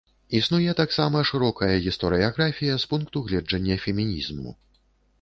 Існуе таксама шырокая гістарыяграфія з пункту гледжання фемінізму.